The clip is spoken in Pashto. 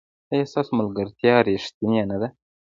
ایا ستاسو ملګرتیا ریښتینې نه ده؟